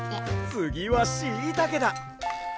つぎはしいたけだ。